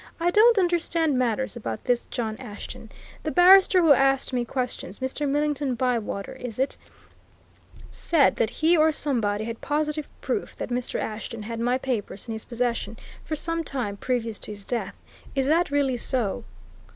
"I don't understand matters about this John Ashton. The barrister who asked me questions Mr. Millington Bywater, is it said that he, or somebody, had positive proof that Mr. Ashton had my papers in his possession for some time previous to his death. Is that really so?"